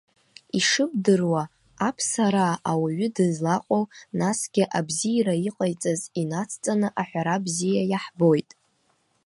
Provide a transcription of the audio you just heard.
Ишыбдыруа, аԥсараа ауаҩы дызлаҟоу, насгьы абзиара иҟаиҵаз инацҵаны аҳәара бзиа иаҳбоит.